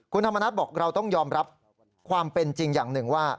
คุณธรรมนัฐบอกเราต้องยอมรับความเป็นจริงอย่างหนึ่งว่า